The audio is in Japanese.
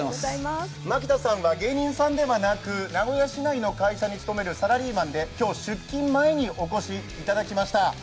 牧田さんは芸人さんではなく、名古屋市内の会社に勤めるサラリーマンで、今日出勤前にお越しいただきました。